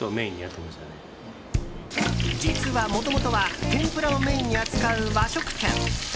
実は、もともとは天ぷらをメインに扱う和食店。